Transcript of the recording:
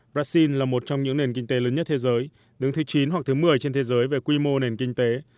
brazil là một trong những nền kinh tế lớn nhất thế giới đứng thứ chín hoặc thứ một mươi trên thế giới về quy mô nền kinh tế